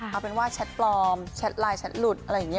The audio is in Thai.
เอาเป็นว่าแชทปลอมแชทไลน์แชทหลุดอะไรอย่างนี้